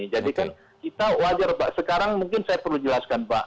jadi kan kita wajar sekarang mungkin saya perlu jelaskan pak